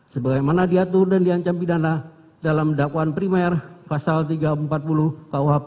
sebagaimana diatur dan diancam pidana dalam dakwaan primer pasal tiga ratus empat puluh kuhp